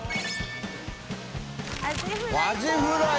アジフライ。